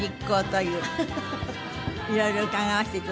いろいろ伺わせていただきます。